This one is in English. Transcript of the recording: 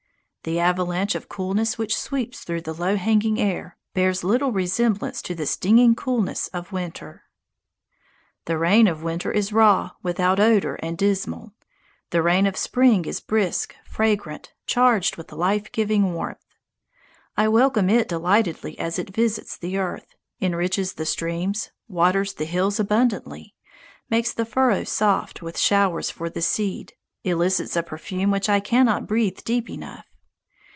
The avalanche of coolness which sweeps through the low hanging air bears little resemblance to the stinging coolness of winter. The rain of winter is raw, without odour, and dismal. The rain of spring is brisk, fragrant, charged with life giving warmth. I welcome it delightedly as it visits the earth, enriches the streams, waters the hills abundantly, makes the furrows soft with showers for the seed, elicits a perfume which I cannot breathe deep enough.